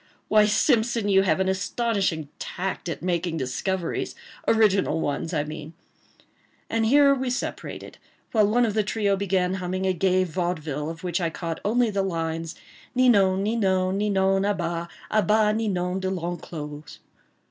ha!—why, Simpson, you have an astonishing tact at making discoveries—original ones, I mean." And here we separated, while one of the trio began humming a gay vaudeville, of which I caught only the lines— Ninon, Ninon, Ninon à bas— A bas Ninon De L'Enclos!